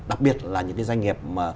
đặc biệt là những cái doanh nghiệp mà